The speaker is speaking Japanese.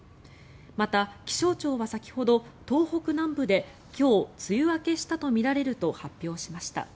また、気象庁は先ほど東北南部で今日、梅雨明けしたとみられると発表しました。